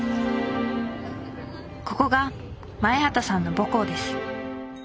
ここが前畑さんの母校です。